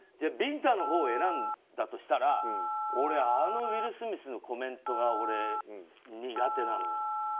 ビンタのほうを選んだとしたら俺、あのウィル・スミスのコメントが苦手なのよ。